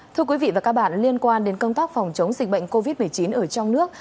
thưa quý vị và các bạn liên quan đến công tác phòng chống dịch bệnh covid một mươi chín ở trong nước